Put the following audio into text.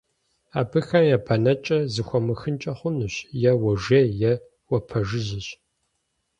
Абыхэм я бэнэкӀэр зэхыумыхынкӀэ хъунущ, е уожей, е уапэжыжьэщ.